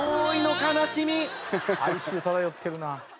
哀愁漂ってるな。